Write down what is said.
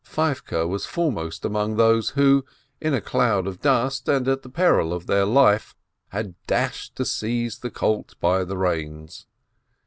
Feivke was foremost among those who, in a cloud of dust and at the peril of their life, had dashed to seize the colt by the reins.